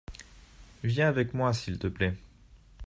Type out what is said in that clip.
Viens avec moi s’il te plait.